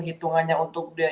hitungannya untuk dia